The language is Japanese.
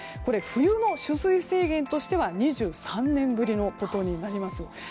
冬の取水制限としては２３年ぶりのことになります。